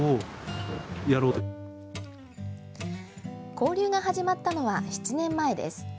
交流が始まったのは７年前です。